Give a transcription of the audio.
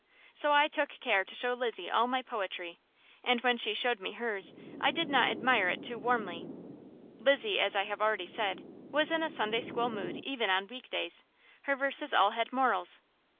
So I took care to show Lizzie all my poetry, and when she showed me hers I did not admire it too warmly. Lizzie, as I have already said, was in a Sunday school mood even on week days; her verses all had morals.